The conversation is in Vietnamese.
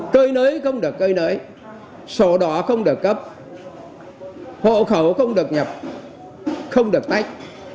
cơi nới không được cơi nới sổ đỏ không được cấp hộ khẩu không được nhập không được tách